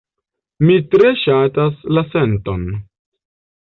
Mi tre ŝatas la senton.